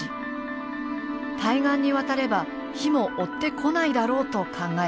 対岸に渡れば火も追ってこないだろうと考えた。